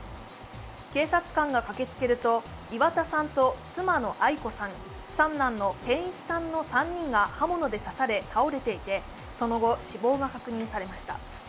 警察官が駆けつけると、岩田さんと妻の愛子さん、三男の健一さんの３人が刃物で刺され、倒れていて、その後、死亡が確認されました。